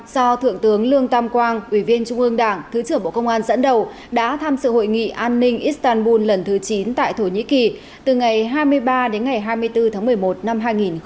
do thượng tướng lương tam quang ủy viên trung ương đảng thứ trưởng bộ công an dẫn đầu đã tham sự hội nghị an ninh istanbul lần thứ chín tại thổ nhĩ kỳ từ ngày hai mươi ba đến ngày hai mươi bốn tháng một mươi một năm hai nghìn hai mươi ba